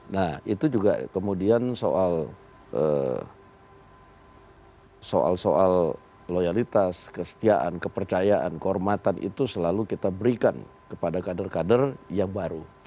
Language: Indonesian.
nah itu juga kemudian soal soal loyalitas kesetiaan kepercayaan kehormatan itu selalu kita berikan kepada kader kader yang baru